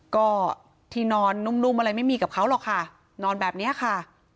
ก็ที่นอนนุ่มอะไรไม่มีกับเขาหรอกค่ะนอนแบบนี้ค่ะ